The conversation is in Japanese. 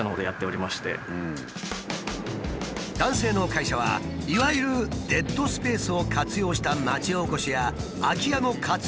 男性の会社はいわゆるデッドスペースを活用した町おこしや空き家の活用